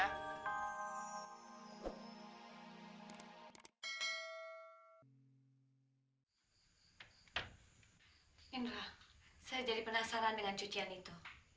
ya saya jadi penasaran dengan cucian itu